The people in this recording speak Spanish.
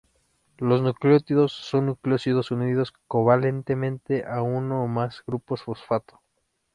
Los nucleótidos son nucleósidos unidos covalentemente a uno o más grupos fosfato.